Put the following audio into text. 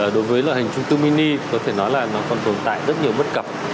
đối với loại hình chung cư mini có thể nói là nó còn tồn tại rất nhiều bất cập